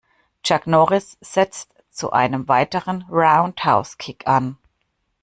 Chuck Norris setzt zu einem weiteren Roundhouse-Kick an.